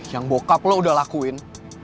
yang bokap lo udah lakuin